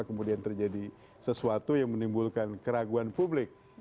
kemudian terjadi sesuatu yang menimbulkan keraguan publik